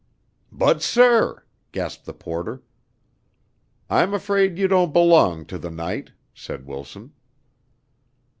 "But, sir " gasped the porter. "I'm afraid you don't belong to the night," said Wilson.